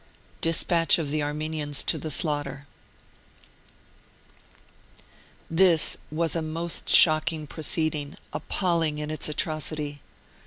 DESPATCH OF THE ARMENIANS TO THE SLAUGHTER. This was a most shocking proceeding, appalling in its atrocity.